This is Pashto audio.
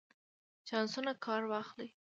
چانسونو کار واخلئ.